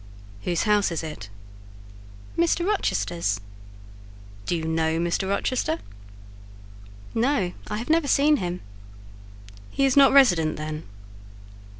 "Whose house is it?" "Mr. Rochester's." "Do you know Mr. Rochester?" "No, I have never seen him." "He is not resident, then?"